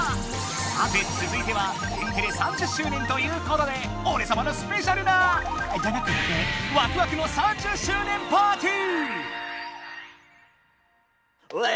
さてつづいては「天てれ３０周年」ということでおれさまのスペシャルなじゃなくてワクワクの３０周年パーティー！